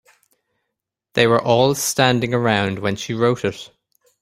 They were all standing around when she wrote it.